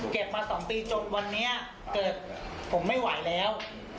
มา๒ปีจนวันนี้เกิดผมไม่ไหวแล้ว